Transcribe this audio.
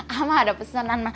ama ada pesanan